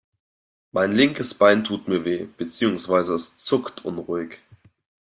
Mein linkes Bein tut mir weh, beziehungsweise es zuckt unruhig.